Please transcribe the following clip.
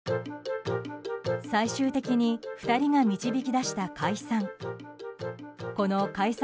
最終的に２人が導き出した解散。